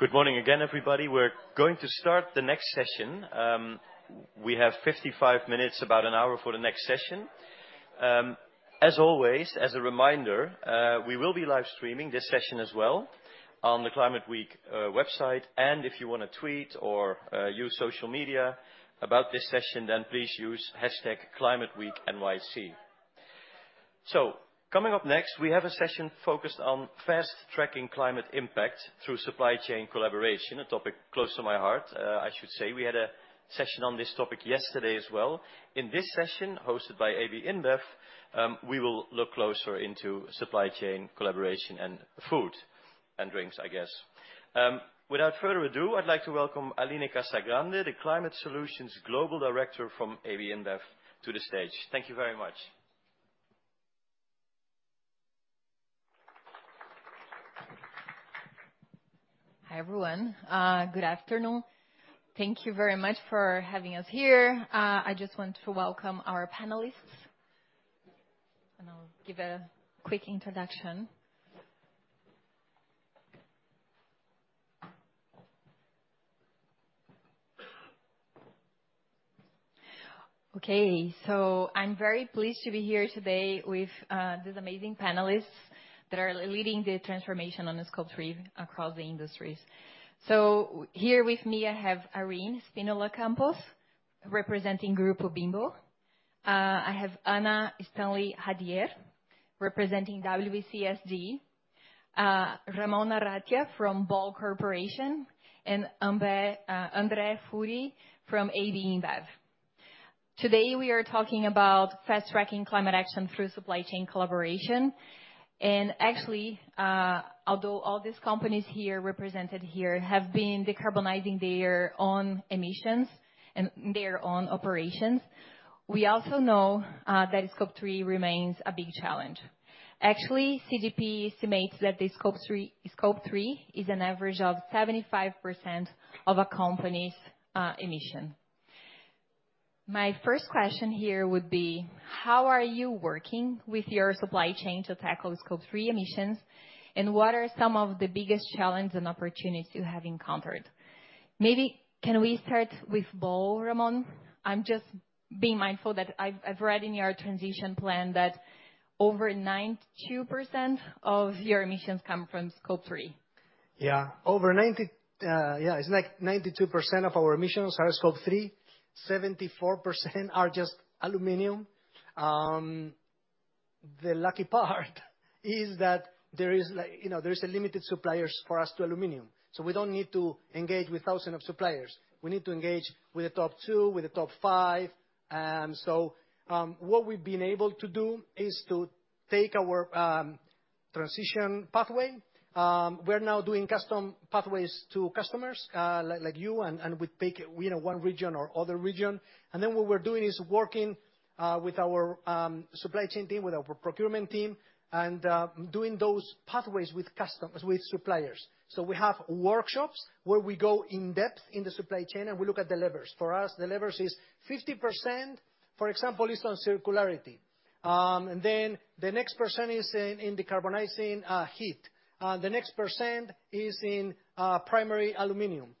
Good morning again, everybody. We're going to start the next session. We have 55 minutes, about an hour for the next session. As always, as a reminder, we will be live streaming this session as well on the Climate Week website. If you want to tweet or use social media about this session, then please use #ClimateWeekNYC. Coming up next, we have a session focused on fast-tracking climate impact through supply chain collaboration, a topic close to my heart. I should say, we had a session on this topic yesterday as well. In this session, hosted by AB InBev, we will look closer into supply chain collaboration and food and drinks, I guess. Without further ado, I'd like to welcome Aline Casagrande, the Climate Solutions Global Director from AB InBev, to the stage. Thank you very much. Hi, everyone. Good afternoon. Thank you very much for having us here. I just want to welcome our panelists, and I'll give a quick introduction. Okay, so I'm very pleased to be here today with these amazing panelists that are leading the transformation on the scope three across the industries. So here with me, I have Irene Espínola Campos, representing Grupo Bimbo. I have Anna Stanley-Radière, representing WBCSD, Ramon Arratia from Ball Corporation, and Andre Fourie from AB InBev. Today, we are talking about fast-tracking climate action through supply chain collaboration. And actually, although all these companies here, represented here, have been decarbonizing their own emissions and their own operations, we also know that scope three remains a big challenge. Actually, CDP estimates that the scope three, scope three is an average of 75% of a company's emission. My first question here would be: How are you working with your supply chain to tackle scope three emissions, and what are some of the biggest challenges and opportunities you have encountered? Maybe can we start with Ball, Ramon? I'm just being mindful that I've, I've read in your transition plan that over 92% of your emissions come from scope three. Yeah, over 90, yeah, it's like 92% of our emissions are Scope 3. 74% are just aluminum. The lucky part is that there is like, you know, there is a limited suppliers for us to aluminum, so we don't need to engage with 1,000 of suppliers. We need to engage with the top two, with the top five. And so, what we've been able to do is to take our transition pathway. We're now doing custom pathways to customers, like, like you, and, and with pick, you know, one region or other region. And then what we're doing is working with our supply chain team, with our procurement team, and doing those pathways with customers, with suppliers. So we have workshops where we go in depth in the supply chain, and we look at the levers. For us, the levers is 50%, for example, is on circularity. And then the next percent is in decarbonizing heat. The next percent is in primary aluminum.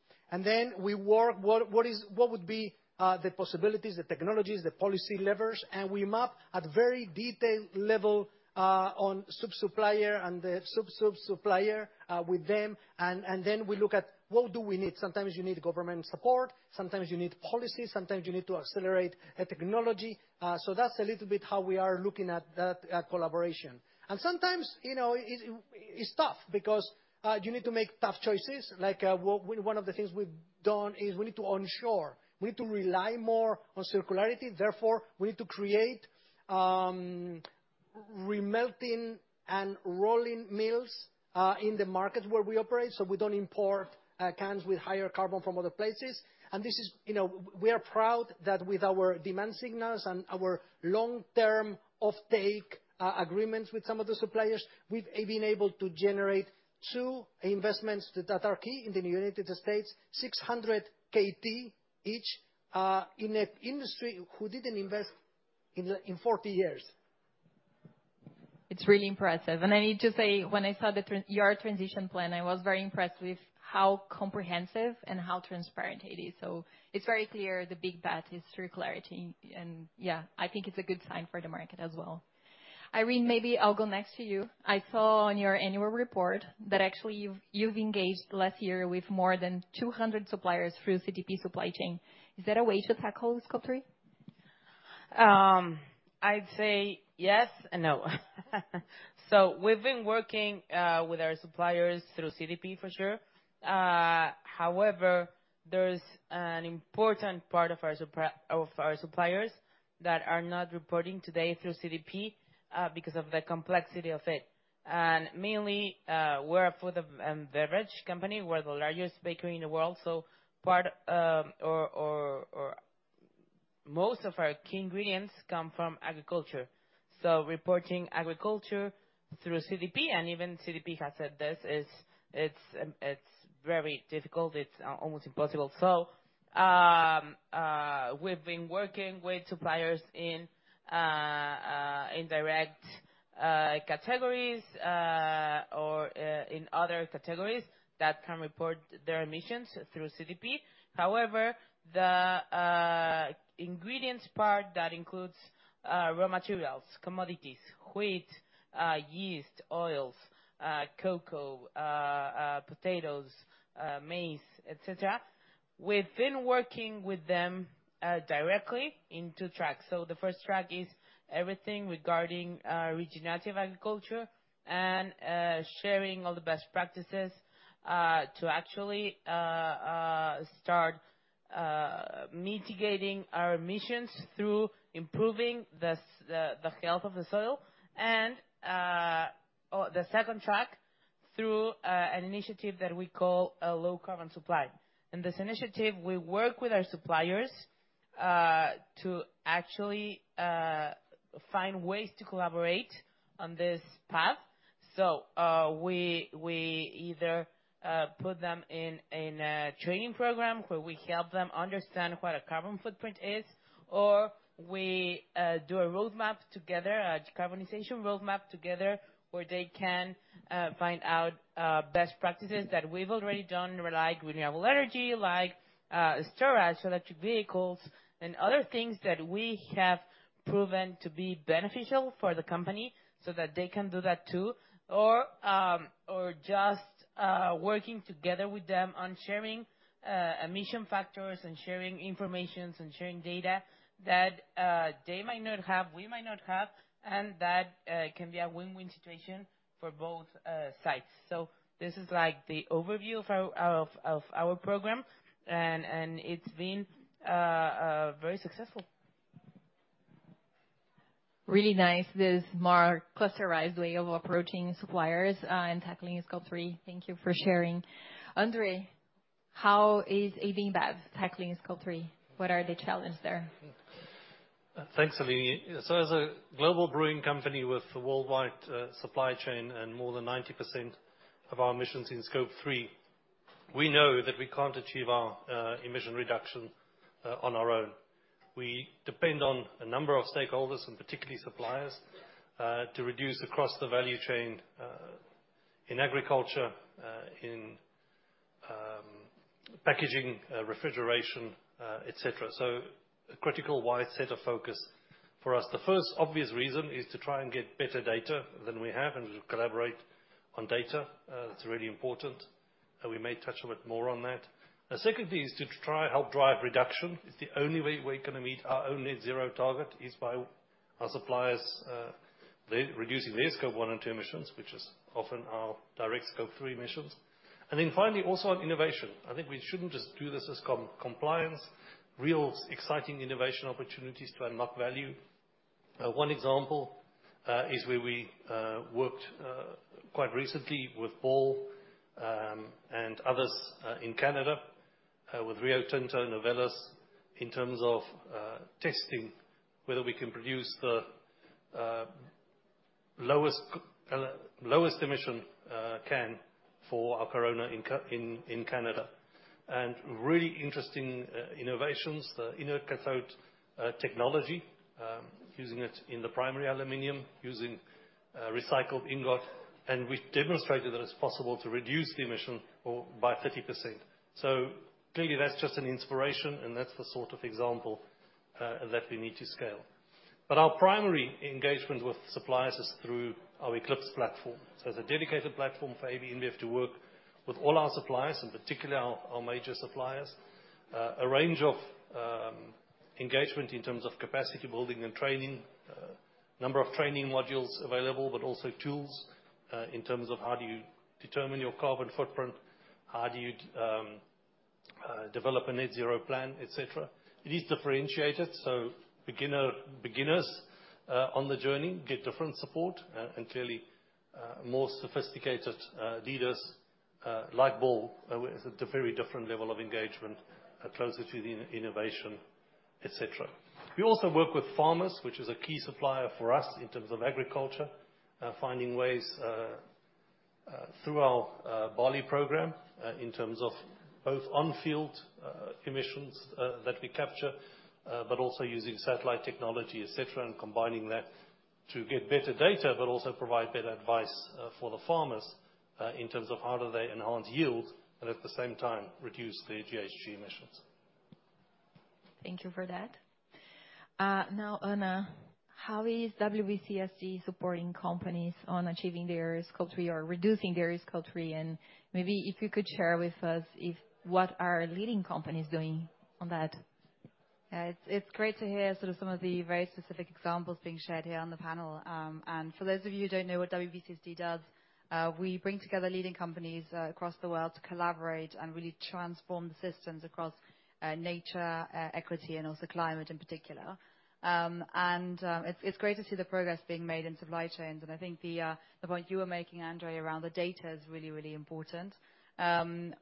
We work, what is... what would be, the possibilities, the technologies, the policy levers? We map at very detailed level, on sub-supplier and the sub-sub-supplier, with them, and then we look at what do we need. Sometimes you need government support, sometimes you need policy, sometimes you need to accelerate a technology. That's a little bit how we are looking at that, at collaboration. Sometimes, you know, it's tough because you need to make tough choices. Like, one of the things we've done is we need to onshore. We need to rely more on circularity. Therefore, we need to create remelting and rolling mills in the markets where we operate, so we don't import cans with higher carbon from other places. And this is, you know, we are proud that with our demand signals and our long-term offtake agreements with some of the suppliers, we've been able to generate two investments that are key in the United States, 600 KT each in an industry who didn't invest in the, in 40 years. It's really impressive. And I need to say, when I saw your transition plan, I was very impressed with how comprehensive and how transparent it is. So it's very clear the big bet is through clarity, and yeah, I think it's a good sign for the market as well. Irene, maybe I'll go next to you. I saw on your annual report that actually you've engaged last year with more than 200 suppliers through CDP supply chain. Is that a way to tackle Scope 3? I'd say yes and no. So we've been working with our suppliers through CDP for sure. However, there's an important part of our suppliers that are not reporting today through CDP because of the complexity of it. And mainly, we're a food and beverage company. We're the largest bakery in the world, so part or most of our key ingredients come from agriculture. So reporting agriculture through CDP, and even CDP has said this, is it's very difficult, it's almost impossible. So we've been working with suppliers in direct-... categories, or, in other categories that can report their emissions through CDP. However, the ingredients part, that includes raw materials, commodities, wheat, yeast, oils, cocoa, potatoes, maize, et cetera. We've been working with them directly in two tracks. So the first track is everything regarding regenerative agriculture and sharing all the best practices to actually start mitigating our emissions through improving the health of the soil. And the second track, through an initiative that we call a low-carbon supply. In this initiative, we work with our suppliers to actually find ways to collaborate on this path. So, we either put them in a training program, where we help them understand what a carbon footprint is, or we do a roadmap together, a decarbonization roadmap together, where they can find out best practices that we've already done, like renewable energy, like storage, electric vehicles, and other things that we have proven to be beneficial for the company, so that they can do that, too. Or just working together with them on sharing emission factors and sharing information and sharing data that they might not have, we might not have, and that can be a win-win situation for both sides. So this is like the overview of our program, and it's been very successful. Really nice, this more clusterized way of approaching suppliers, and tackling Scope 3. Thank you for sharing. Andre, how is AB InBev tackling Scope 3? What are the challenge there? Thanks, Aline. So as a global brewing company with a worldwide supply chain and more than 90% of our emissions in Scope 3, we know that we can't achieve our emission reduction on our own. We depend on a number of stakeholders, and particularly suppliers, to reduce across the value chain in agriculture, in packaging, refrigeration, et cetera. So a critical wide set of focus for us. The first obvious reason is to try and get better data than we have and to collaborate on data. That's really important, and we may touch a bit more on that. The second thing is to try help drive reduction. It's the only way we're gonna meet our own net zero target is by our suppliers reducing their Scope 1 and 2 emissions, which is often our direct Scope 3 emissions. Then finally, also on innovation. I think we shouldn't just do this as compliance, real exciting innovation opportunities to unlock value. One example is where we worked quite recently with Ball and others in Canada with Rio Tinto, Novelis, in terms of testing whether we can produce the lowest emission can for our Corona in Canada. And really interesting innovations, the inner cathode technology using it in the primary aluminum, using recycled ingot, and we've demonstrated that it's possible to reduce the emissions by 30%. So clearly, that's just an inspiration, and that's the sort of example that we need to scale. But our primary engagement with suppliers is through our Eclipse platform. So it's a dedicated platform for AB InBev to work with all our suppliers, in particular our, our major suppliers. A range of engagement in terms of capacity building and training, number of training modules available, but also tools in terms of how do you determine your carbon footprint, how do you develop a net zero plan, et cetera. It is differentiated, so beginners on the journey get different support, and clearly more sophisticated leaders like Ball with a very different level of engagement closer to the innovation, et cetera. We also work with farmers, which is a key supplier for us in terms of agriculture, finding ways through our Barley program in terms of both on-field emissions that we capture, but also using satellite technology, et cetera, and combining that to get better data, but also provide better advice for the farmers in terms of how do they enhance yield and at the same time reduce the GHG emissions. Thank you for that. Now, Anna, how is WBCSD supporting companies on achieving their Scope Three or reducing their Scope Three? Maybe if you could share with us if, what are leading companies doing on that? Yeah. It's great to hear sort of some of the very specific examples being shared here on the panel. For those of you who don't know what WBCSD does, we bring together leading companies across the world to collaborate and really transform the systems across nature, equity, and also climate in particular. It's great to see the progress being made in supply chains, and I think the point you were making, Andre, around the data is really, really important.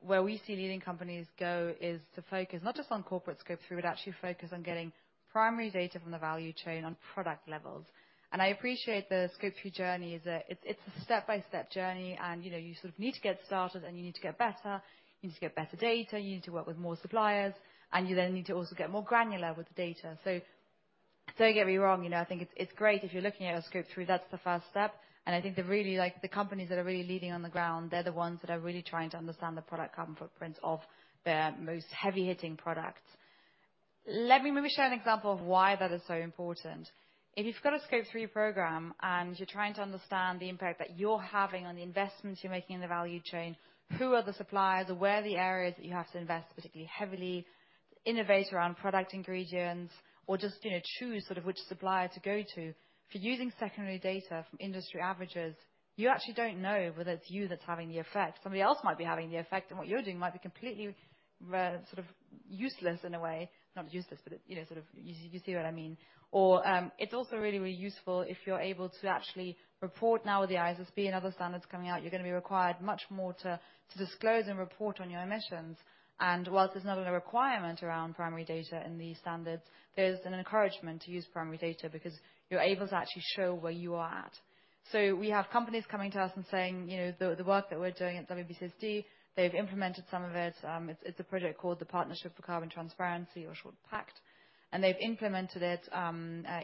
Where we see leading companies go is to focus, not just on corporate Scope 3, but actually focus on getting primary data from the value chain on product levels. I appreciate the Scope 3 journey is a... It's a step-by-step journey, and, you know, you sort of need to get started, and you need to get better, you need to get better data, you need to work with more suppliers, and you then need to also get more granular with the data. So- Don't get me wrong, you know, I think it's great if you're looking at a Scope 3, that's the first step. I think the really, like, the companies that are really leading on the ground, they're the ones that are really trying to understand the product carbon footprint of their most heavy-hitting products. Let me maybe share an example of why that is so important. If you've got a Scope 3 program, and you're trying to understand the impact that you're having on the investments you're making in the value chain, who are the suppliers, or where are the areas that you have to invest, particularly heavily, innovate around product ingredients, or just, you know, choose sort of which supplier to go to. If you're using secondary data from industry averages, you actually don't know whether it's you that's having the effect. Somebody else might be having the effect, and what you're doing might be completely, sort of useless in a way, not useless, but, you know, sort of... You see what I mean. Or, it's also really, really useful if you're able to actually report now with the ISSB and other standards coming out, you're gonna be required much more to disclose and report on your emissions. And while there's not a requirement around primary data in these standards, there's an encouragement to use primary data because you're able to actually show where you are at. So we have companies coming to us and saying, you know, the work that we're doing at WBCSD, they've implemented some of it. It's a project called the Partnership for Carbon Transparency, or short, PACT, and they've implemented it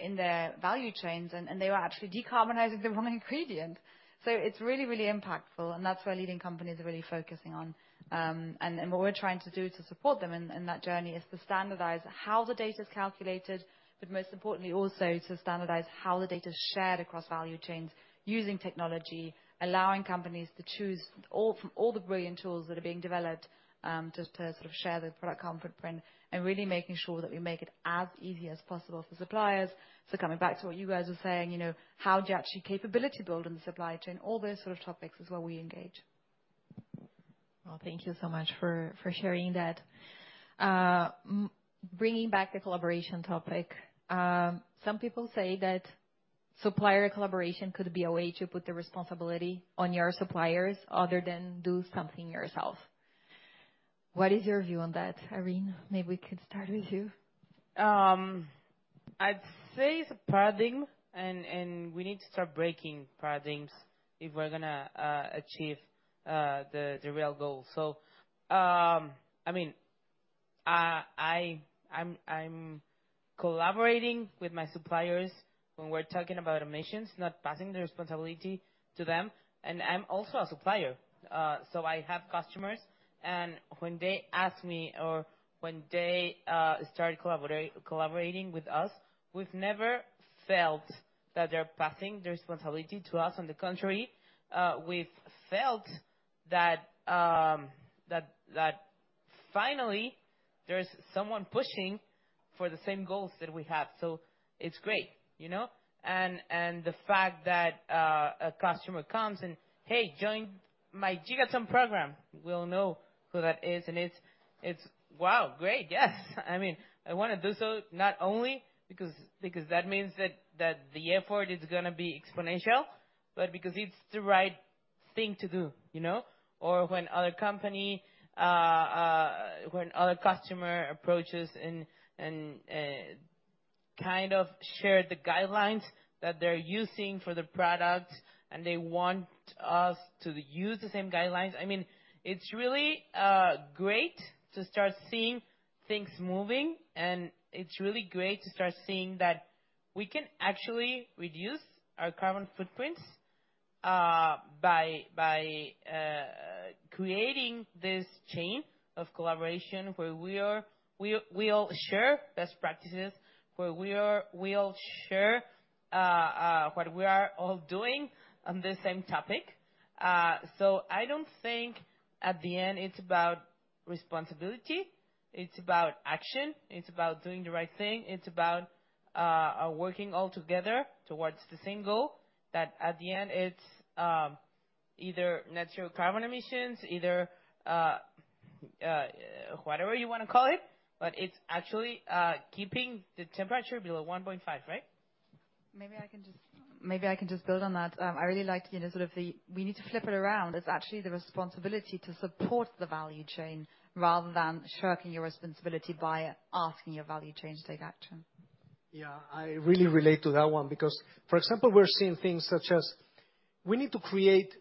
in their value chains, and they are actually decarbonizing the wrong ingredient. So it's really, really impactful, and that's where leading companies are really focusing on. What we're trying to do to support them in that journey is to standardize how the data is calculated, but most importantly, also to standardize how the data is shared across value chains using technology, allowing companies to choose from all the brilliant tools that are being developed, just to sort of share the product comfort print and really making sure that we make it as easy as possible for suppliers. Coming back to what you guys were saying, you know, how do you actually capability build in the supply chain? All those sort of topics is where we engage. Well, thank you so much for sharing that. Bringing back the collaboration topic, some people say that supplier collaboration could be a way to put the responsibility on your suppliers other than do something yourself. What is your view on that, Irene? Maybe we could start with you. I'd say it's a paradigm, and we need to start breaking paradigms if we're gonna achieve the real goal. I mean, I'm collaborating with my suppliers when we're talking about emissions, not passing the responsibility to them, and I'm also a supplier. I have customers, and when they ask me or when they start collaborating with us, we've never felt that they're passing the responsibility to us. On the contrary, we've felt that finally there's someone pushing for the same goals that we have. It's great, you know? The fact that a customer comes and, "Hey, join my Gigaton program," we all know who that is, and it's, it's wow, great, yes. I mean, I wanna do so not only because that means that the effort is gonna be exponential, but because it's the right thing to do, you know? Or when other company, when other customer approaches and kind of share the guidelines that they're using for the product, and they want us to use the same guidelines, I mean, it's really great to start seeing things moving, and it's really great to start seeing that we can actually reduce our carbon footprints by creating this chain of collaboration where we all share best practices, where we all share what we are all doing on the same topic. So I don't think at the end, it's about responsibility. It's about action. It's about doing the right thing. It's about working all together towards the same goal, that at the end, it's either net zero carbon emissions, either whatever you wanna call it, but it's actually keeping the temperature below 1.5, right? Maybe I can just build on that. I really like, you know, sort of the, we need to flip it around. It's actually the responsibility to support the value chain rather than shirking your responsibility by asking your value chain to take action. Yeah, I really relate to that one because, for example, we're seeing things such as we need to create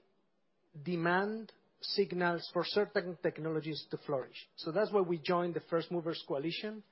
demand signals for certain technologies to flourish. So that's why we joined the First Movers Coalition,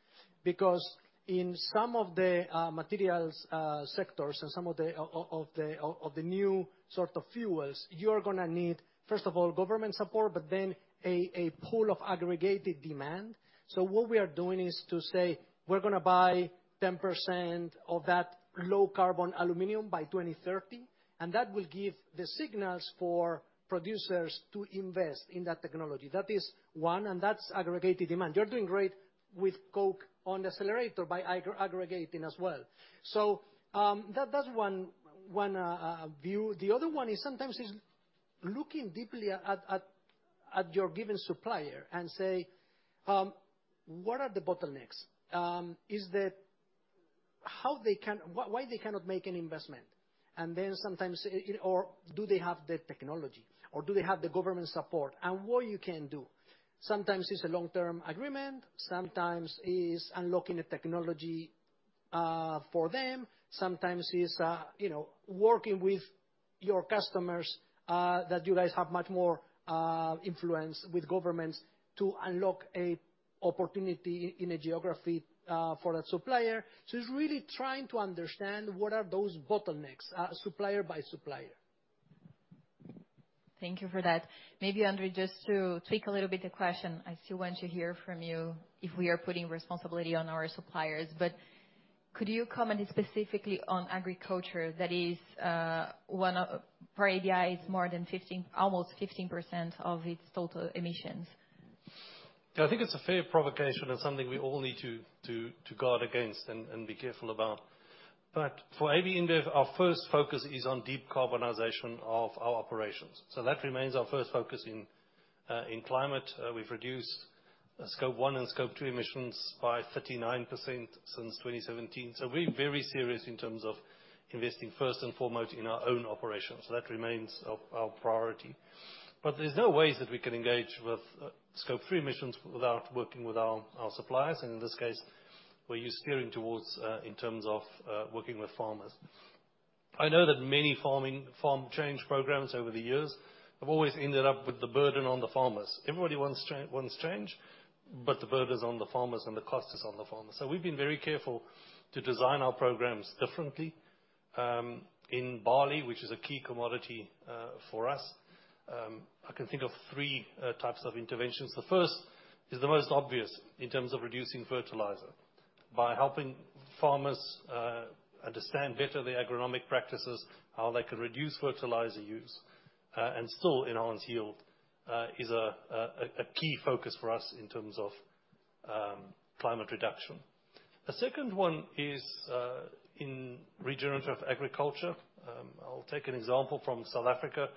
because in some of the materials sectors and some of the new sort of fuels, you're gonna need, first of all, government support, but then a pool of aggregated demand. So what we are doing is to say, "We're gonna buy 10% of that low-carbon aluminum by 2030," and that will give the signals for producers to invest in that technology. That is one, and that's aggregated demand. You're doing great with Coke on the accelerator by aggregating as well. So, that's one view. The other one is sometimes looking deeply at your given supplier and say, "What are the bottlenecks? Why, why they cannot make an investment?" And then sometimes or, "Do they have the technology? Or do they have the government support?" And what you can do. Sometimes it's a long-term agreement, sometimes unlocking the technology for them-... sometimes is, you know, working with your customers that you guys have much more influence with governments to unlock a opportunity in a geography for that supplier. So it's really trying to understand what are those bottlenecks, supplier by supplier. Thank you for that. Maybe, Andre, just to tweak a little bit the question, I still want to hear from you if we are putting responsibility on our suppliers, but could you comment specifically on agriculture? That is, one of, for ABI, is more than 15, almost 15% of its total emissions. Yeah, I think it's a fair provocation and something we all need to guard against and be careful about. But for AB InBev, our first focus is on deep decarbonization of our operations, so that remains our first focus in climate. We've reduced Scope 1 and Scope 2 emissions by 39% since 2017, so we're very serious in terms of investing first and foremost in our own operations. So that remains our priority. But there's no way that we can engage with Scope 3 emissions without working with our suppliers, and in this case, where you're steering towards in terms of working with farmers. I know that many farming change programs over the years have always ended up with the burden on the farmers. Everybody wants change, but the burden is on the farmers and the cost is on the farmers. We've been very careful to design our programs differently. In barley, which is a key commodity for us, I can think of three types of interventions. The first is the most obvious in terms of reducing fertilizer. By helping farmers understand better the agronomic practices, how they can reduce fertilizer use and still enhance yield, is a key focus for us in terms of climate reduction. The second one is in regenerative agriculture. I'll take an example from South Africa,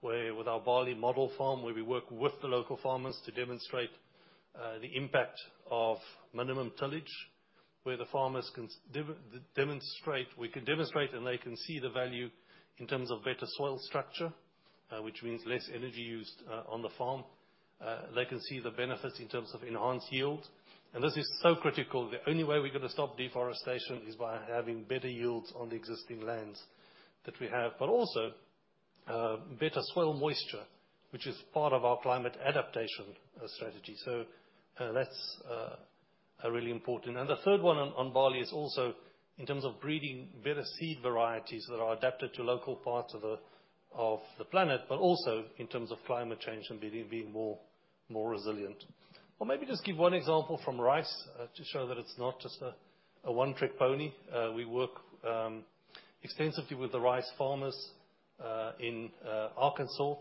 where with our barley model farm, we work with the local farmers to demonstrate the impact of minimum tillage, where the farmers can demonstrate... We can demonstrate, and they can see the value in terms of better soil structure, which means less energy used on the farm. They can see the benefits in terms of enhanced yield, and this is so critical. The only way we're gonna stop deforestation is by having better yields on the existing lands that we have, but also better soil moisture, which is part of our climate adaptation strategy. So that's a really important. And the third one on barley is also in terms of breeding better seed varieties that are adapted to local parts of the planet, but also in terms of climate change and being more resilient. Or maybe just give one example from rice to show that it's not just a one-trick pony. We work extensively with the rice farmers in Arkansas.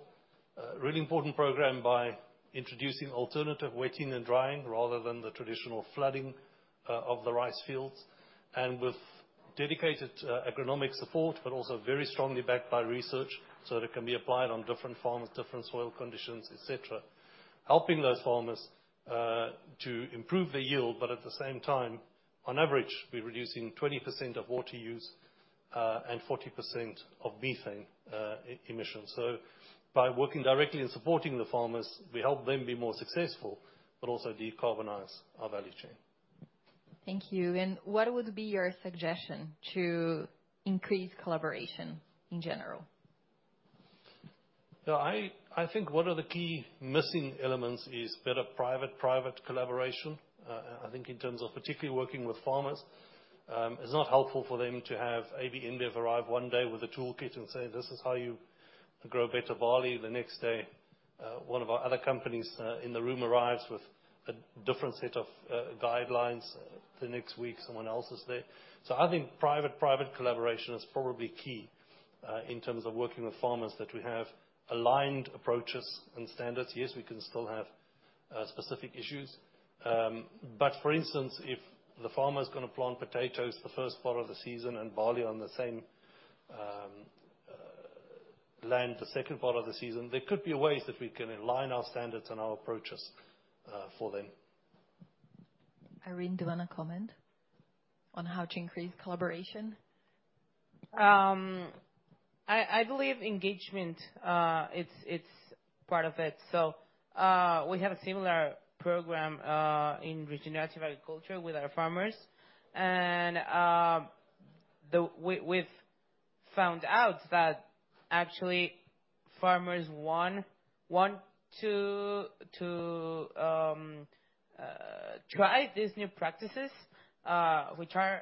A really important program by introducing alternative wetting and drying rather than the traditional flooding of the rice fields, and with dedicated agronomic support, but also very strongly backed by research, so that it can be applied on different farms, different soil conditions, et cetera. Helping those farmers to improve their yield, but at the same time, on average, we're reducing 20% of water use and 40% of methane emission. So by working directly and supporting the farmers, we help them be more successful, but also decarbonize our value chain. Thank you. What would be your suggestion to increase collaboration in general? So I think one of the key missing elements is better private-private collaboration. I think in terms of particularly working with farmers, it's not helpful for them to have AB InBev arrive one day with a toolkit and say, "This is how you grow better barley." The next day, one of our other companies in the room arrives with a different set of guidelines. The next week, someone else is there. So I think private-private collaboration is probably key in terms of working with farmers, that we have aligned approaches and standards. Yes, we can still have specific issues, but for instance, if the farmer is gonna plant potatoes the first part of the season and barley on the same land the second part of the season, there could be ways that we can align our standards and our approaches for them. Irene, do you want to comment on how to increase collaboration? I believe engagement, it's part of it. So, we have a similar program in regenerative agriculture with our farmers, and we've found out that actually farmers want to try these new practices, which are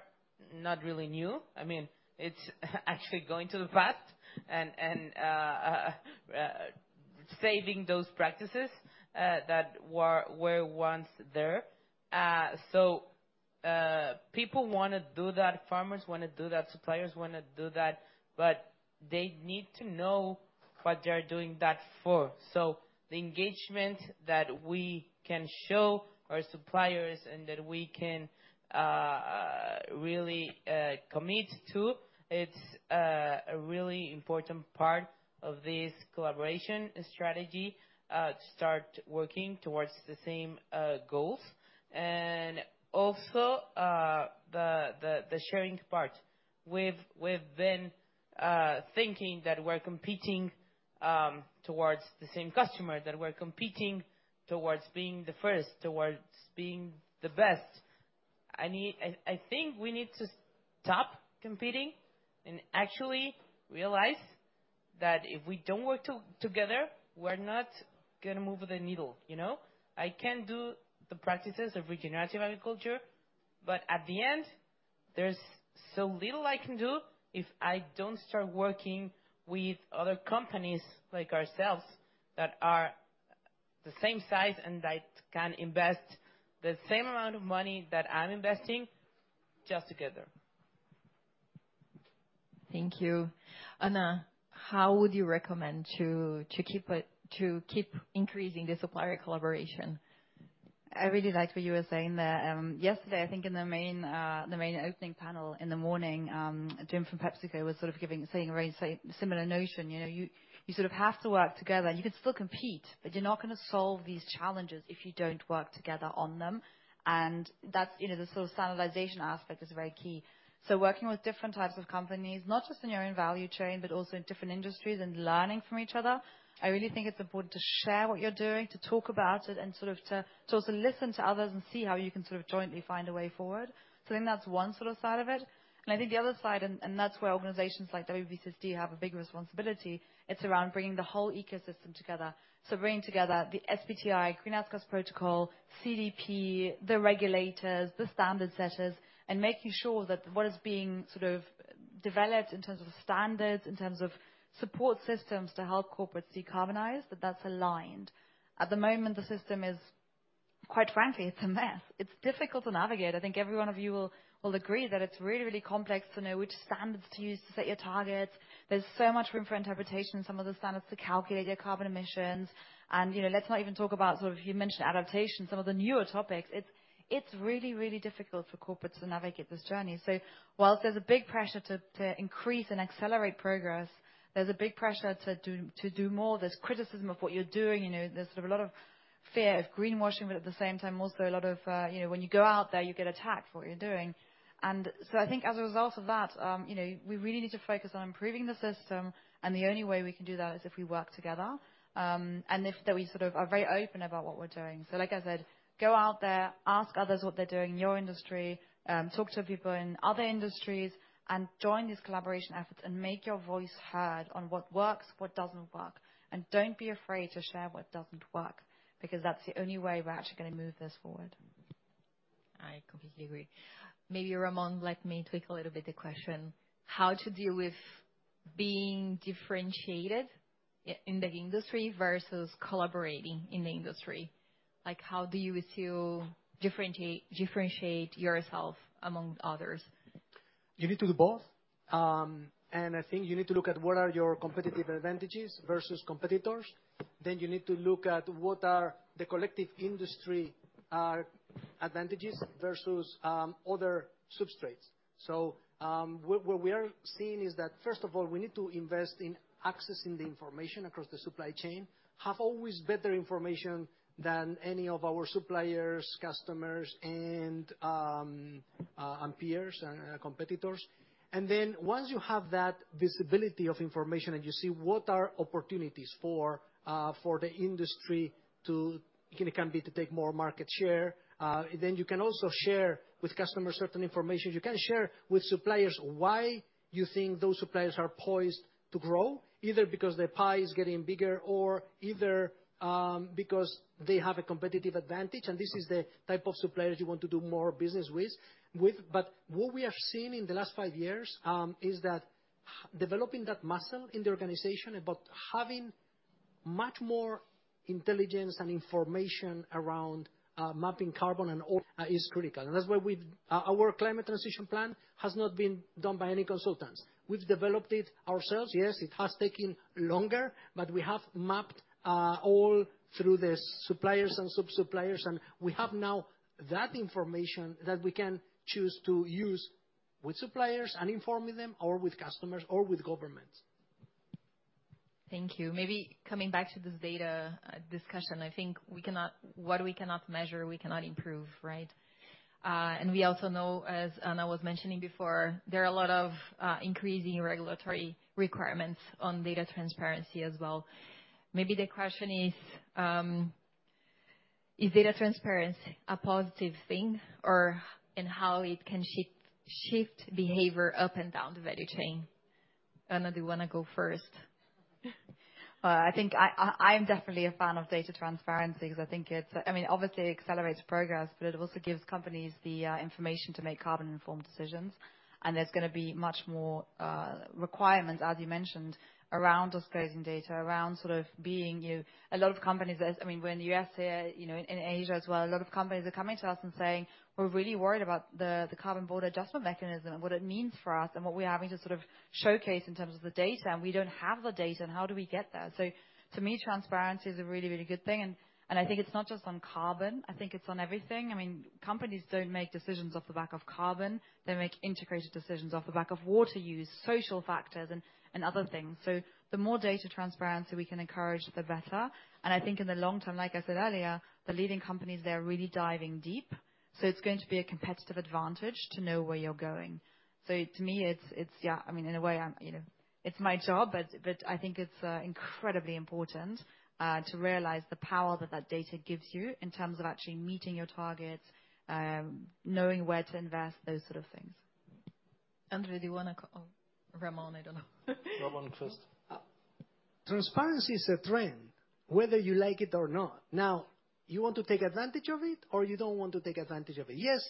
not really new. I mean, it's actually going to the past and saving those practices that were once there. So, people wanna do that, farmers wanna do that, suppliers wanna do that, but they need to know what they're doing that for. So the engagement that we can show our suppliers and that we can really commit to, it's a really important part of this collaboration strategy to start working towards the same goals. And also, the sharing part. We've been-... Thinking that we're competing towards the same customer, that we're competing towards being the first, towards being the best. I think we need to stop competing and actually realize that if we don't work together, we're not gonna move the needle, you know? I can do the practices of regenerative agriculture, but at the end, there's so little I can do if I don't start working with other companies like ourselves that are the same size and that can invest the same amount of money that I'm investing, just together. Thank you. Anna, how would you recommend to keep increasing the supplier collaboration? I really liked what you were saying there. Yesterday, I think in the main, the main opening panel in the morning, Jim from PepsiCo was sort of giving, saying a very same, similar notion. You know, you sort of have to work together. You can still compete, but you're not gonna solve these challenges if you don't work together on them, and that's, you know, the sort of standardization aspect is very key. Working with different types of companies, not just in your own value chain, but also in different industries and learning from each other. I really think it's important to share what you're doing, to talk about it, and sort of to also listen to others and see how you can sort of jointly find a way forward. I think that's one sort of side of it. I think the other side, and that's where organizations like WBCSD have a big responsibility, it's around bringing the whole ecosystem together. So bringing together the SBTi, Greenhouse Gas Protocol, CDP, the regulators, the standard setters, and making sure that what is being sort of developed in terms of standards, in terms of support systems to help corporates decarbonize, that that's aligned. At the moment, the system is, quite frankly, it's a mess. It's difficult to navigate. I think every one of you will agree that it's really, really complex to know which standards to use to set your targets. There's so much room for interpretation in some of the standards to calculate your carbon emissions, and, you know, let's not even talk about sort of, you mentioned adaptation, some of the newer topics. It's really, really difficult for corporates to navigate this journey. So while there's a big pressure to increase and accelerate progress, there's a big pressure to do more. There's criticism of what you're doing, you know. There's sort of a lot of fear of greenwashing, but at the same time, also a lot of, you know, when you go out there, you get attacked for what you're doing. And so I think as a result of that, you know, we really need to focus on improving the system, and the only way we can do that is if we work together, and if that we sort of are very open about what we're doing. So like I said, go out there, ask others what they're doing in your industry, talk to people in other industries, and join these collaboration efforts, and make your voice heard on what works, what doesn't work. Don't be afraid to share what doesn't work, because that's the only way we're actually gonna move this forward. I completely agree. Maybe, Ramon, let me tweak a little bit the question: how to deal with being differentiated in the industry versus collaborating in the industry? Like, how do you still differentiate yourself among others? You need to do both. And I think you need to look at what are your competitive advantages versus competitors. Then you need to look at what are the collective industry advantages versus other substrates. So, what we are seeing is that, first of all, we need to invest in accessing the information across the supply chain, have always better information than any of our suppliers, customers, and peers and competitors. And then once you have that visibility of information and you see what are opportunities for the industry to... It can be to take more market share, then you can also share with customers certain information. You can share with suppliers why you think those suppliers are poised to grow, either because their pie is getting bigger or either because they have a competitive advantage, and this is the type of suppliers you want to do more business with. But what we have seen in the last five years is that developing that muscle in the organization about having much more intelligence and information around mapping carbon and oil is critical. And that's why our climate transition plan has not been done by any consultants. We've developed it ourselves. Yes, it has taken longer, but we have mapped all through the suppliers and sub-suppliers, and we have now that information that we can choose to use with suppliers and informing them, or with customers, or with governments. Thank you. Maybe coming back to this data discussion, I think what we cannot measure, we cannot improve, right? And we also know, as Anna was mentioning before, there are a lot of increasing regulatory requirements on data transparency as well. Maybe the question is, is data transparency a positive thing or, and how it can shift behavior up and down the value chain? Anna, do you wanna go first? Well, I think I'm definitely a fan of data transparency 'cause I think it's... I mean, obviously, it accelerates progress, but it also gives companies the information to make carbon-informed decisions. And there's gonna be much more requirements, as you mentioned, around disclosing data, around sort of being. A lot of companies, I mean, we're in the U.S. here, you know, in Asia as well, a lot of companies are coming to us and saying: "We're really worried about the Carbon Border Adjustment Mechanism and what it means for us and what we are having to sort of showcase in terms of the data, and we don't have the data, and how do we get that?" So to me, transparency is a really, really good thing, and I think it's not just on carbon, I think it's on everything. I mean, companies don't make decisions off the back of carbon. They make integrated decisions off the back of water use, social factors, and, and other things. So the more data transparency we can encourage, the better. And I think in the long term, like I said earlier, the leading companies, they're really diving deep.... So it's going to be a competitive advantage to know where you're going. So to me, it's, it's yeah, I mean, in a way, I'm, you know, it's my job, but, but I think it's incredibly important to realize the power that that data gives you in terms of actually meeting your targets, knowing where to invest, those sort of things. Andrew, do you wanna co-- oh, Ramon, I don't know. Ramon first. Transparency is a trend, whether you like it or not. Now, you want to take advantage of it, or you don't want to take advantage of it? Yes,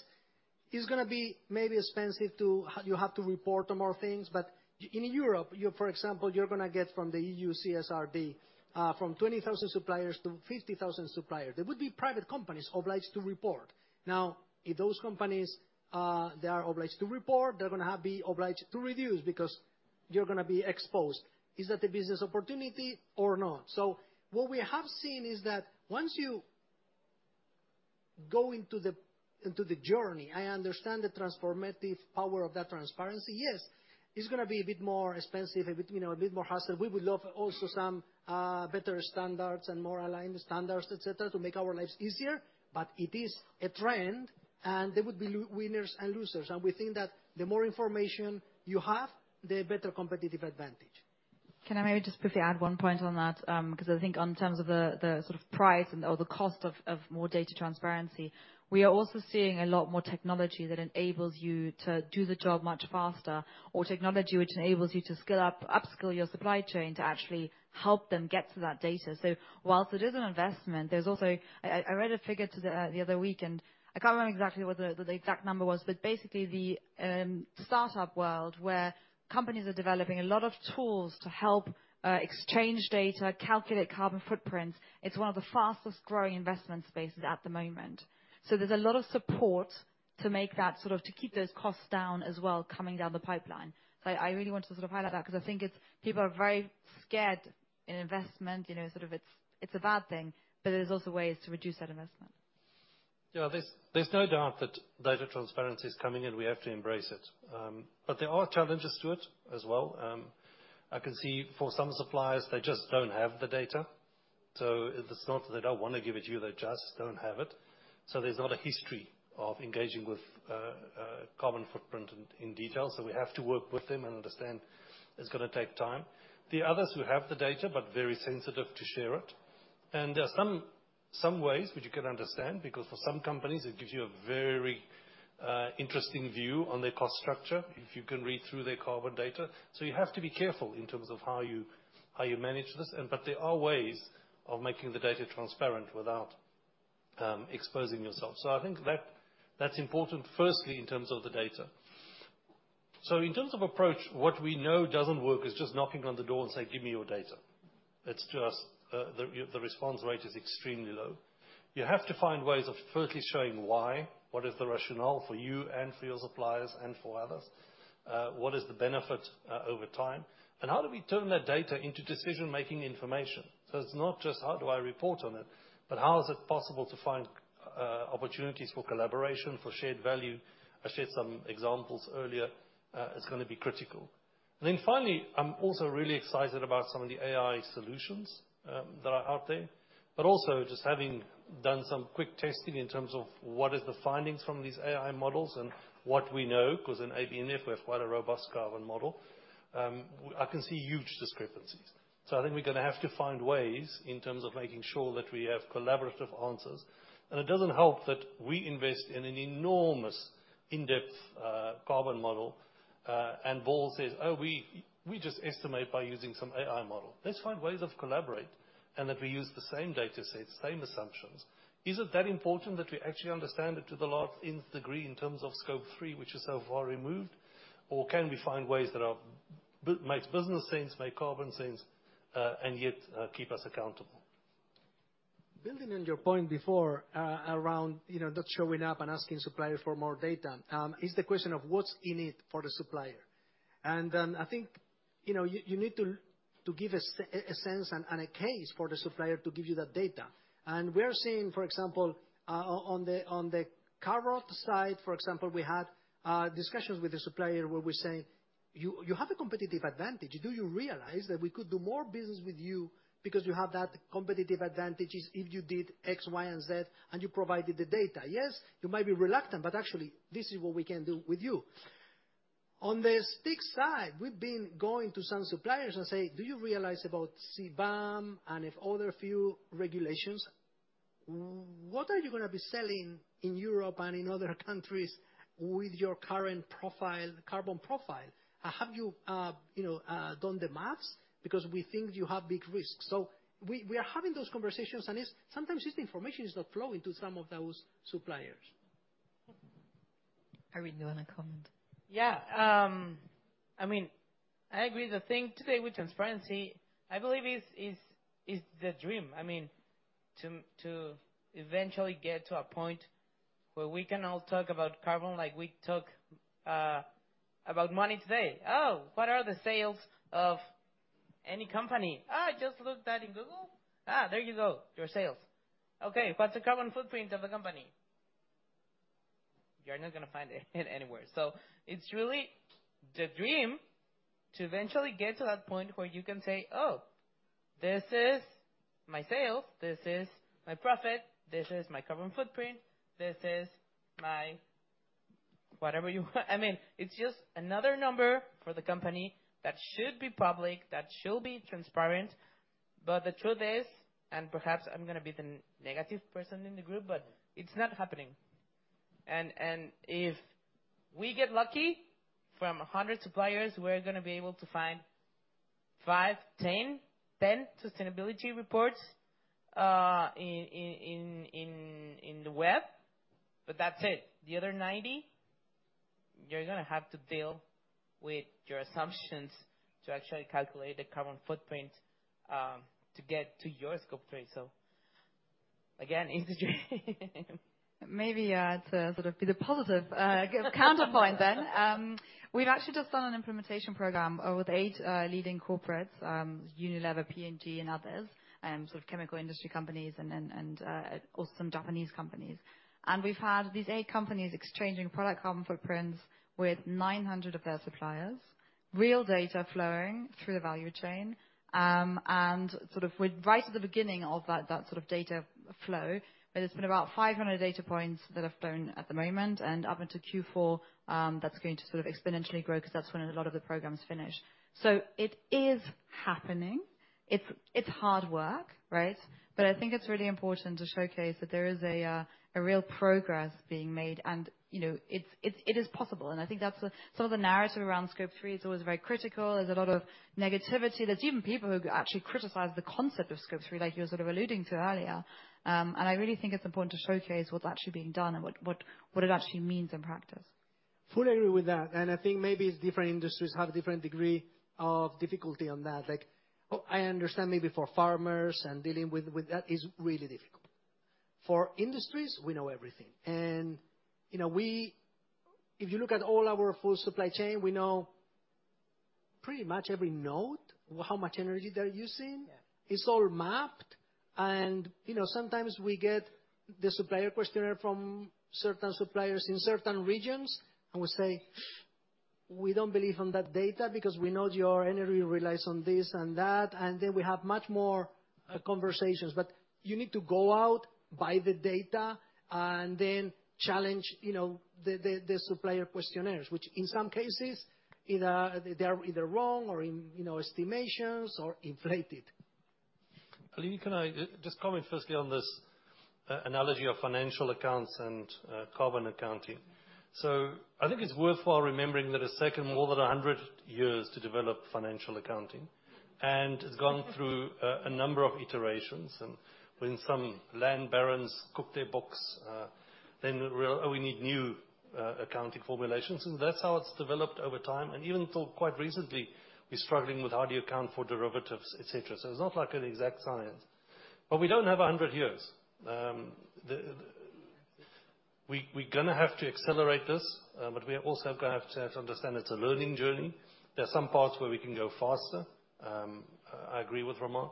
it's gonna be maybe expensive to, you have to report on more things, but in Europe, you, for example, you're gonna get from the EU CSRD from 20,000 suppliers to 50,000 suppliers. They would be private companies obliged to report. Now, if those companies they are obliged to report, they're gonna have to be obliged to reduce, because you're gonna be exposed. Is that a business opportunity or not? So what we have seen is that once you go into the, into the journey, I understand the transformative power of that transparency. Yes, it's gonna be a bit more expensive, a bit, you know, a bit more hassle. We would love also some better standards and more aligned standards, et cetera, to make our lives easier, but it is a trend, and there would be winners and losers. And we think that the more information you have, the better competitive advantage. Can I maybe just briefly add one point on that? Because I think in terms of the sort of price and, or the cost of more data transparency, we are also seeing a lot more technology that enables you to do the job much faster, or technology which enables you to upskill your supply chain to actually help them get to that data. So whilst it is an investment, there's also... I read a figure the other week, and I can't remember exactly what the exact number was, but basically the startup world, where companies are developing a lot of tools to help exchange data, calculate carbon footprints, it's one of the fastest growing investment spaces at the moment. So there's a lot of support to make that, sort of to keep those costs down as well, coming down the pipeline. So I really want to sort of highlight that because I think it's, people are very scared in investment, you know, sort of it's, it's a bad thing, but there's also ways to reduce that investment. Yeah, there's no doubt that data transparency is coming in. We have to embrace it. But there are challenges to it as well. I can see for some suppliers, they just don't have the data, so it's not that they don't want to give it to you, they just don't have it. So there's not a history of engaging with carbon footprint in detail, so we have to work with them and understand it's gonna take time. The others who have the data, but very sensitive to share it. And there are some ways which you can understand, because for some companies, it gives you a very interesting view on their cost structure, if you can read through their carbon data. So you have to be careful in terms of how you manage this, and but there are ways of making the data transparent without exposing yourself. So I think that, that's important, firstly, in terms of the data. So in terms of approach, what we know doesn't work is just knocking on the door and say, "Give me your data." It's just the response rate is extremely low. You have to find ways of firstly showing why, what is the rationale for you and for your suppliers and for others, what is the benefit over time, and how do we turn that data into decision-making information? So it's not just how do I report on it, but how is it possible to find opportunities for collaboration, for shared value? I shared some examples earlier. It's gonna be critical. Then finally, I'm also really excited about some of the AI solutions that are out there, but also just having done some quick testing in terms of what is the findings from these AI models and what we know, 'cause in AB InBev, we have quite a robust carbon model. I can see huge discrepancies. So I think we're gonna have to find ways in terms of making sure that we have collaborative answers. And it doesn't help that we invest in an enormous in-depth carbon model, and Ball says, "Oh, we just estimate by using some AI model." Let's find ways of collaborate, and that we use the same data sets, same assumptions. Is it that important that we actually understand it to the last nth degree in terms of Scope 3, which is so far removed, or can we find ways that make business sense, make carbon sense, and yet keep us accountable? Building on your point before, around, you know, not showing up and asking suppliers for more data, is the question of what's in it for the supplier? And, I think, you know, you, you need to, to give a sense and a case for the supplier to give you that data. And we are seeing, for example, on the carrot side, for example, we had discussions with the supplier where we say: You, you have a competitive advantage. Do you realize that we could do more business with you because you have that competitive advantages if you did X, Y, and Z, and you provided the data? Yes, you might be reluctant, but actually, this is what we can do with you. On the stick side, we've been going to some suppliers and say: Do you realize about CBAM and if other few regulations, what are you gonna be selling in Europe and in other countries with your current profile, carbon profile? Have you, you know, done the math? Because we think you have big risks. So we, we are having those conversations, and it's sometimes just information is not flowing to some of those suppliers. Harin, do you want to comment? Yeah. I mean, I agree. The thing today with transparency, I believe, is the dream. I mean, to eventually get to a point where we can all talk about carbon like we talk about money today. "Oh, what are the sales of any company?" "Ah, just look that in Google. Ah, there you go, your sales." "Okay, what's the carbon footprint of the company?" You're not gonna find it anywhere. It's really the dream to eventually get to that point where you can say, "Oh, this is my sales, this is my profit, this is my carbon footprint, this is my whatever you want." I mean, it's just another number for the company that should be public, that should be transparent. The truth is, and perhaps I'm gonna be the negative person in the group, it's not happening. And if we get lucky, from 100 suppliers, we're gonna be able to find five, 10, 10 sustainability reports in the web, but that's it. The other 90, you're gonna have to deal with your assumptions to actually calculate the carbon footprint to get to your Scope 3. So again, industry. Maybe, to sort of be the positive, counterpoint then. We've actually just done an implementation program with eight leading corporates, Unilever, P&G, and others, sort of chemical industry companies and, and, also some Japanese companies. We've had these eight companies exchanging product carbon footprints with 900 of their suppliers, real data flowing through the value chain. We're right at the beginning of that, that sort of data flow, but it's been about 500 data points that have flown at the moment, and up into Q4, that's going to sort of exponentially grow because that's when a lot of the programs finish. It is happening. It's hard work, right? But I think it's really important to showcase that there is a real progress being made, and, you know, it's, it is possible, and I think that's the... Some of the narrative around Scope 3 is always very critical. There's a lot of negativity. There's even people who actually criticize the concept of Scope 3, like you were sort of alluding to earlier. And I really think it's important to showcase what's actually being done and what it actually means in practice. Fully agree with that, and I think maybe it's different industries have a different degree of difficulty on that. Like, oh, I understand maybe for farmers and dealing with that is really difficult. For industries, we know everything, and, you know, we. If you look at all our full supply chain, we know pretty much every node, how much energy they're using. Yeah. It's all mapped, and, you know, sometimes we get the supplier questionnaire from certain suppliers in certain regions, and we say, "We don't believe in that data because we know your energy relies on this and that," and then we have much more conversations. But you need to go out, buy the data, and then challenge, you know, the supplier questionnaires, which in some cases, either they are wrong or, you know, estimations or inflated. Olivi, can I just comment firstly on this, analogy of financial accounts and, carbon accounting? So I think it's worthwhile remembering that it took them more than 100 years to develop financial accounting, and it's gone through a number of iterations, and when some land barons cooked their books, then we need new accounting formulations, and that's how it's developed over time, and even till quite recently, we're struggling with how do you account for derivatives, et cetera. So it's not like an exact science, but we don't have 100 years. We're gonna have to accelerate this, but we are also gonna have to understand it's a learning journey. There are some parts where we can go faster, I agree with Ramon.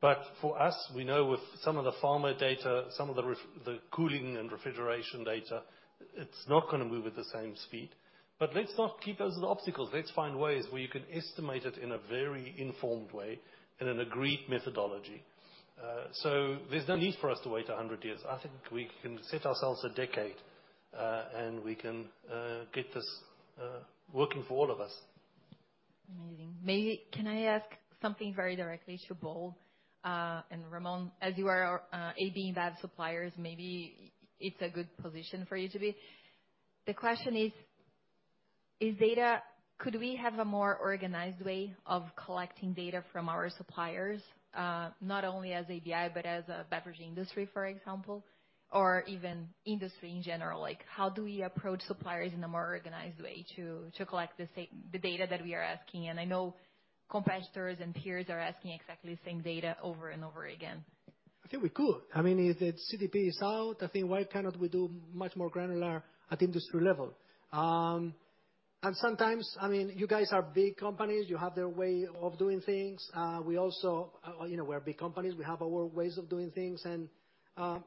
But for us, we know with some of the farmer data, some of the ref... The cooling and refrigeration data, it's not gonna move at the same speed. But let's not keep those as obstacles. Let's find ways where you can estimate it in a very informed way, in an agreed methodology. So there's no need for us to wait 100 years. I think we can set ourselves a decade, and we can get this working for all of us. Amazing. Maybe. Can I ask something very directly to Paul and Ramon, as you are AB InBev suppliers, maybe it's a good position for you to be. The question is: Could we have a more organized way of collecting data from our suppliers, not only as ABI, but as a beverage industry, for example, or even industry in general? Like, how do we approach suppliers in a more organized way to collect the data that we are asking? And I know competitors and peers are asking exactly the same data over and over again. I think we could. I mean, if the CDP is out, I think why cannot we do much more granular at industry level? And sometimes, I mean, you guys are big companies. You have their way of doing things. We also, you know, we're big companies. We have our ways of doing things, and,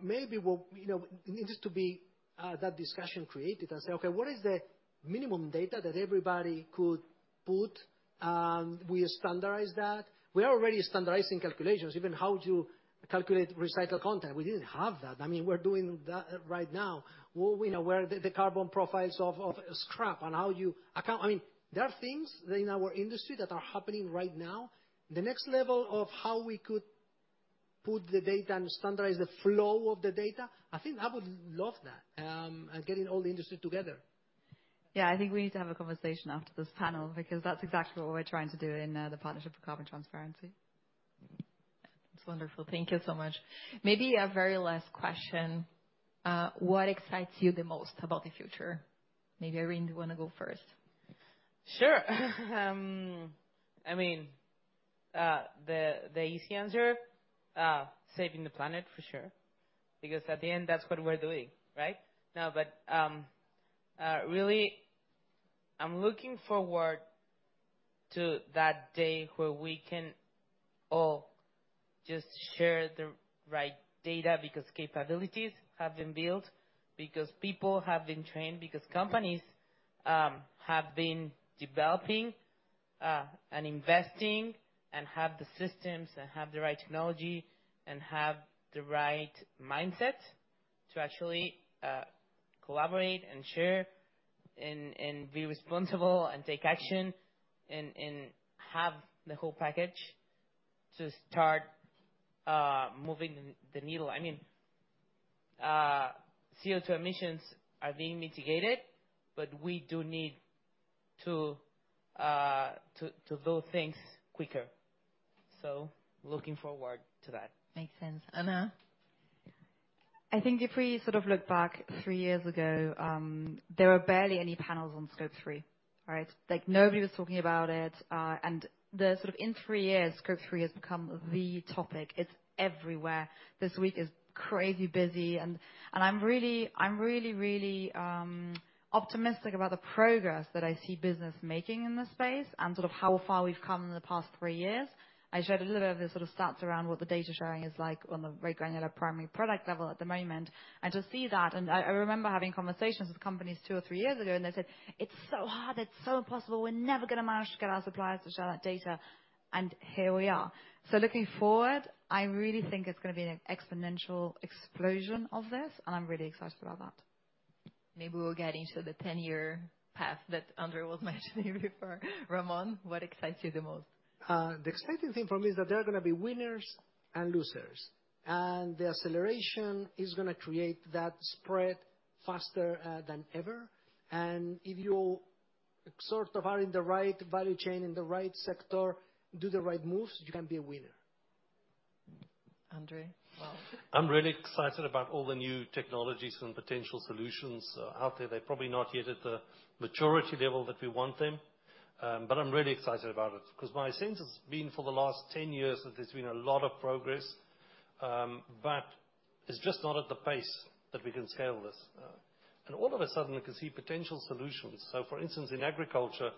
maybe we'll, you know, it needs to be, that discussion created and say, "Okay, what is the minimum data that everybody could put? We standardize that." We are already standardizing calculations, even how to calculate recycled content. We didn't have that. I mean, we're doing that right now, where we know where the carbon profiles of scrap and how you account... I mean, there are things in our industry that are happening right now. The next level of how we could put the data and standardize the flow of the data, I think I would love that, and getting all the industry together. Yeah, I think we need to have a conversation after this panel, because that's exactly what we're trying to do in the Partnership for Carbon Transparency. That's wonderful. Thank you so much. Maybe a very last question: what excites you the most about the future? Maybe, Irene, do you want to go first? Sure. I mean, the easy answer, saving the planet, for sure. Because at the end, that's what we're doing, right? No, but, really, I'm looking forward to that day where we can all just share the right data because capabilities have been built, because people have been trained, because companies have been developing and investing, and have the systems, and have the right technology, and have the right mindset to actually collaborate and share and be responsible and take action, and have the whole package to start moving the needle. I mean, CO2 emissions are being mitigated, but we do need to do things quicker. So looking forward to that. Makes sense. Anna? I think if we sort of look back three years ago, there were barely any panels on Scope 3, right? Like, nobody was talking about it. The sort of in three years, Scope 3 has become the topic. It's everywhere. This week is crazy busy, and I'm really, really optimistic about the progress that I see business making in this space and sort of how far we've come in the past three years. I shared a little bit of the sort of stats around what the data sharing is like on the very granular primary product level at the moment. To see that, and I remember having conversations with companies two or three years ago, and they said, "It's so hard, it's so impossible. We're never gonna manage to get our suppliers to share that data," and here we are. Looking forward, I really think it's gonna be an exponential explosion of this, and I'm really excited about that. Maybe we'll get into the 10-year path that Andre was mentioning before. Ramon, what excites you the most? The exciting thing for me is that there are gonna be winners and losers, and the acceleration is gonna create that spread faster than ever. If you sort of are in the right value chain, in the right sector, do the right moves, you can be a winner. Andre, well? I'm really excited about all the new technologies and potential solutions out there. They're probably not yet at the maturity level that we want them, but I'm really excited about it. 'Cause my sense has been for the last 10 years, that there's been a lot of progress, but it's just not at the pace that we can scale this. And all of a sudden, we can see potential solutions. So for instance, in agriculture,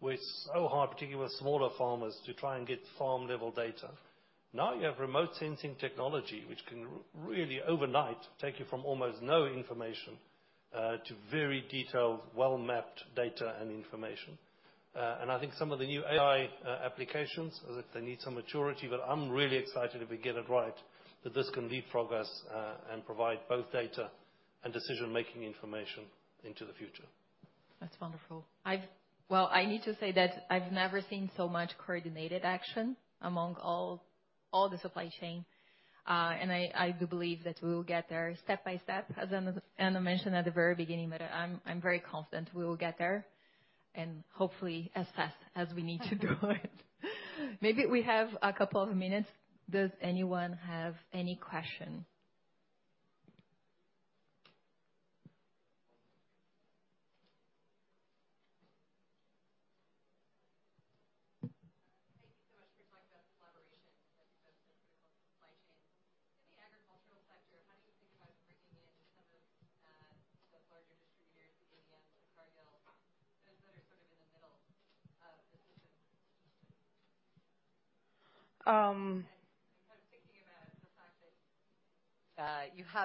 we're so hard, particularly with smaller farmers, to try and get farm level data. Now, you have remote sensing technology, which can really overnight, take you from almost no information to very detailed, well-mapped data and information. I think some of the new AI applications that they need some maturity, but I'm really excited if we get it right, that this can lead progress and provide both data and decision-making information into the future. That's wonderful. Well, I need to say that I've never seen so much coordinated action among all the supply chain, and I do believe that we will get there step by step, as Anna mentioned at the very beginning, but I'm very confident we will get there,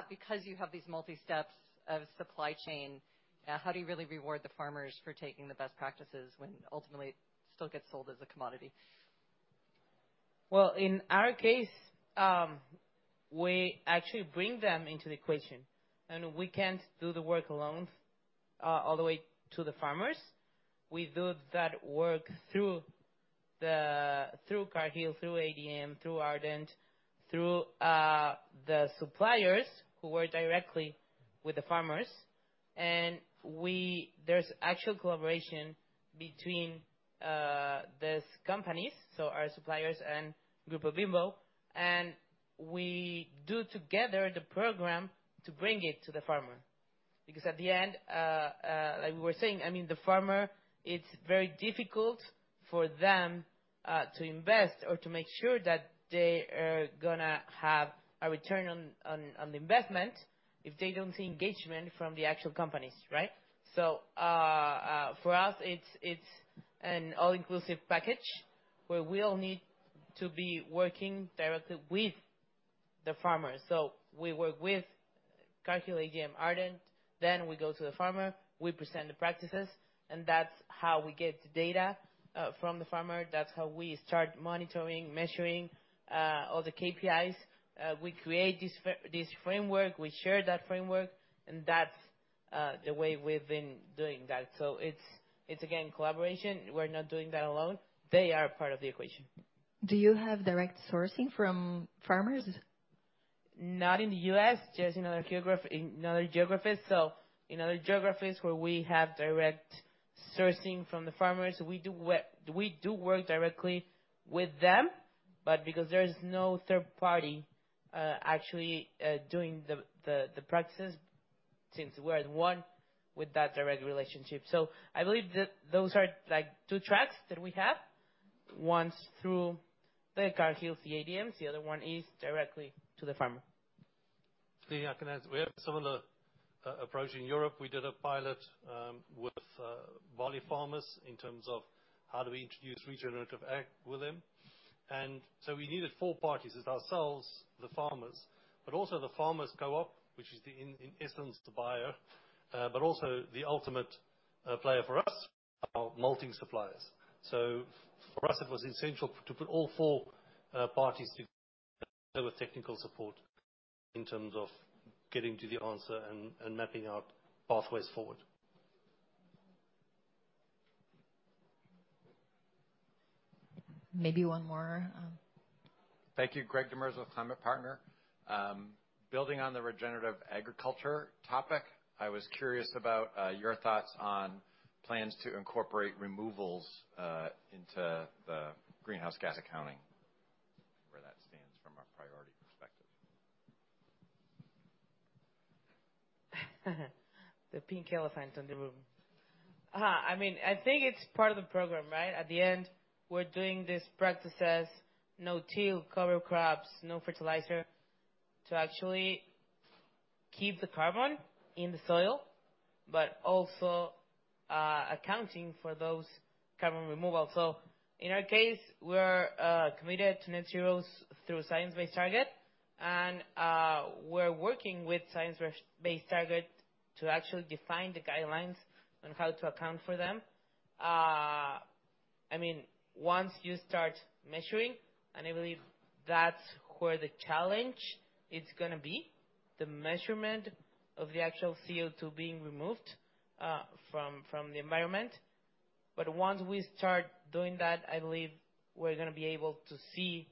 because you have these multi-steps of supply chain, how do you really reward the farmers for taking the best practices when ultimately it still gets sold as a commodity? Well, in our case, we actually bring them into the equation, and we can't do the work alone, all the way to the farmers. We do that work through the, through Cargill, through ADM, through Ardent, through, the suppliers who work directly with the farmers. And we. There's actual collaboration between, these companies, so our suppliers and Grupo Bimbo, and we do together the program to bring it to the farmer. Because at the end, like we were saying, I mean, the farmer, it's very difficult for them, to invest or to make sure that they are gonna have a return on the investment if they don't see engagement from the actual companies, right? So, for us, it's an all-inclusive package, where we all need to be working directly with the farmers. So we work with Cargill, ADM, Ardent, then we go to the farmer, we present the practices, and that's how we get the data from the farmer. That's how we start monitoring, measuring all the KPIs. We create this framework, we share that framework, and that's the way we've been doing that. So it's again collaboration. We're not doing that alone. They are part of the equation. Do you have direct sourcing from farmers? Not in the U.S., just in other geographies. So in other geographies where we have direct sourcing from the farmers, we do work directly with them, but because there's no third party, actually, doing the practices, since we're at one with that direct relationship. So I believe that those are, like, two tracks that we have, one's through the Cargill, the ADMs, the other one is directly to the farmer. Lidia, I can add, we have a similar approach in Europe. We did a pilot with barley farmers in terms of how do we introduce regenerative ag with them. And so we needed 4 parties, it's ourselves, the farmers, but also the farmers' co-op, which is in essence the buyer, but also the ultimate player for us, our malting suppliers. So for us, it was essential to put all 4 parties together with technical support in terms of getting to the answer and mapping out pathways forward. Maybe one more. Thank you. Greg Demers with ClimatePartner. Building on the Regenerative Agriculture topic, I was curious about your thoughts on plans to incorporate removals into the greenhouse gas accounting, where that stands from a priority perspective? The pink elephant in the room. I mean, I think it's part of the program, right? At the end, we're doing these practices, no-till cover crops, no fertilizer, to actually keep the carbon in the soil, but also, accounting for those carbon removal. So in our case, we're committed to net zeros through a science-based target, and, we're working with science-based target to actually define the guidelines on how to account for them. I mean, once you start measuring, and I believe that's where the challenge is gonna be, the measurement of the actual CO2 being removed, from the environment. But once we start doing that, I believe we're gonna be able to see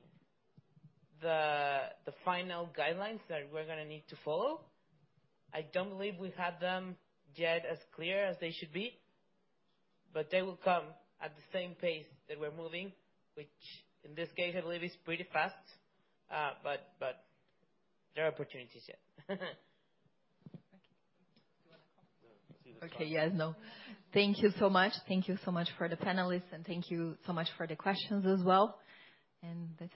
the final guidelines that we're gonna need to follow. I don't believe we have them yet as clear as they should be, but they will come at the same pace that we're moving, which in this case, I believe is pretty fast. But there are opportunities yet. Thank you. Do you want to call? No, Okay. Yes, no. Thank you so much. Thank you so much for the panelists, and thank you so much for the questions as well. That's it.